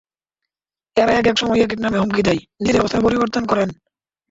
এরা একেক সময় একেক নামে হুমকি দেয়, নিজেদের অবস্থানও পরিবর্তন করেন।